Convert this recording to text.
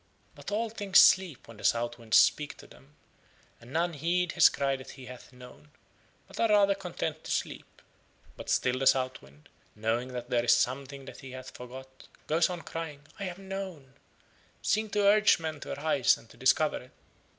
But all things sleep when the South Wind speaks to them and none heed his cry that he hath known, but are rather content to sleep. But still the South Wind, knowing that there is something that he hath forgot, goes on crying, "I have known," seeking to urge men to arise and to discover it.